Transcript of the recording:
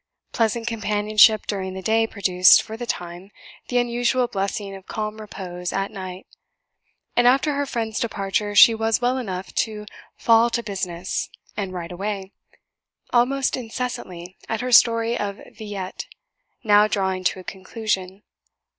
Pleasant companionship during the day produced, for the time, the unusual blessing of calm repose at night; and after her friend's departure she was well enough to "fall to business," and write away, almost incessantly, at her story of Villette, now drawing to a conclusion.